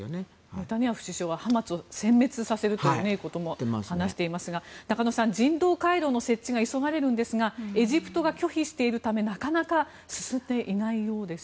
ネタニヤフ首相はハマスをせん滅させるということも話していますが中野さん、人道回廊の設置が急がれるんですがエジプトが拒否しているためなかなか進んでいないようです。